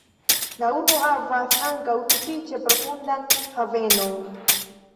La urbo havas ankaŭ sufiĉe profundan havenon.